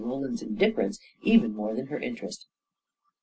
Roland's indifference even more than her interest.